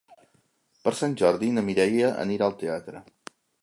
Per Sant Jordi na Mireia anirà al teatre.